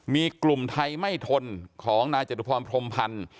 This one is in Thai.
มีกลุ่มไทยไม่ทนของพรมพันธุ์